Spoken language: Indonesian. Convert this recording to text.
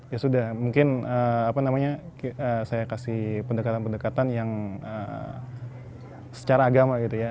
ya sudah mungkin apa namanya saya kasih pendekatan pendekatan yang secara agama gitu ya